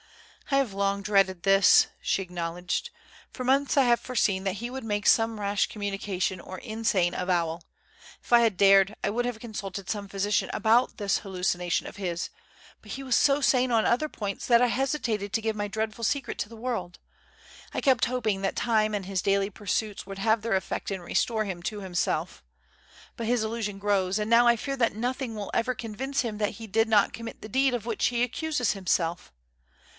"I have long dreaded this," she acknowledged. "For months I have foreseen that he would make some rash communication or insane avowal. If I had dared, I would have consulted some physician about this hallucination of his; but he was so sane on other points that I hesitated to give my dreadful secret to the world. I kept hoping that time and his daily pursuits would have their effect and restore him to himself. But his illusion grows, and now I fear that nothing will ever convince him that he did not commit the deed of which he accuses himself.